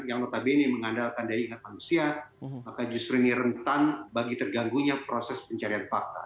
yang notabene mengandalkan daya ingat manusia maka justru ini rentan bagi terganggunya proses pencarian fakta